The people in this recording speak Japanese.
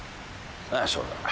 ああそうだ。